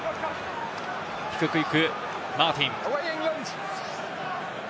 低くいくマーティン。